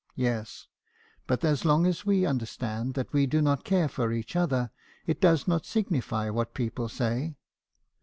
Yes, but as long as we understand that we do not care for each other, it does not signify what people say.'